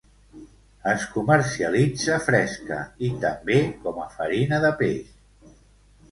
Es comercialitza fresca i, també, com a farina de peix.